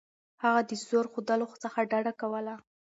هغه د زور ښودلو څخه ډډه کوله.